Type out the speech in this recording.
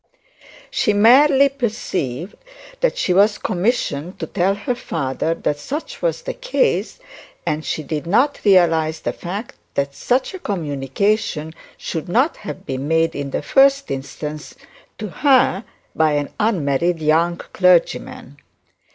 She merely perceived that she was commissioned to tell her father that such was the case, and she did not realise the fact that such a commission should not have been made, in the first instance, to her by an unmarried young clergyman.